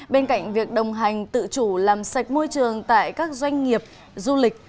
bên cạnh việc đồng hành tự chủ làm sạch môi trường tại các doanh nghiệp du lịch